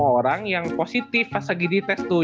orang yang positif pas lagi di tes tuh